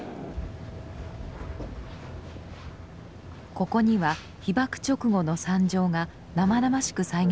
ここには被爆直後の惨状が生々しく再現されています。